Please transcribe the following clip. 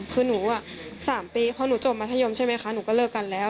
คือหนู๓ปีเพราะหนูจบมัธยมใช่ไหมคะหนูก็เลิกกันแล้ว